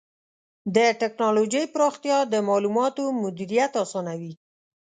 د ټکنالوجۍ پراختیا د معلوماتو مدیریت آسانوي.